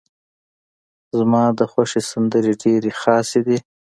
زما ده خوښې سندرې ډيرې خاصې دي.